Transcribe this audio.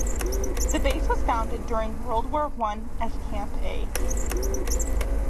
The base was founded during World War One as Camp A.